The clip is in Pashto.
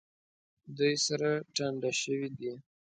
دوی سره ټنډه شوي دي.